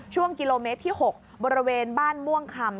ช่วงกิโลเมตรที่๖บริเวณบ้านม่วงคำ